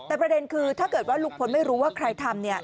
แต่ประเด็นคือถ้าเกิดว่าลุงพลไม่รู้ว่าใครทำเนี่ย